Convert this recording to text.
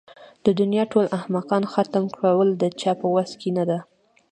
د دنيا ټول احمقان ختم کول د چا په وس کې نه ده.